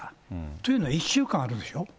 というのは、１週間あるでしょ。